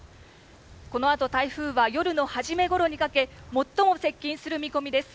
このあと台風は夜の初めごろにかけ、最も接近する見込みです。